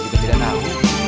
kita tidak tahu